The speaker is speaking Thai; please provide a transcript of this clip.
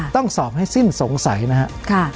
ต้องสอบให้สิ้นสงสัยนะครับ